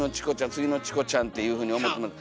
次のチコちゃんっていうふうに思ってもらって。